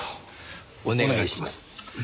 お願いします。